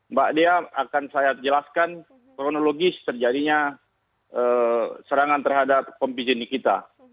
mbak dea akan saya jelaskan kronologis terjadinya serangan terhadap kompijen di kita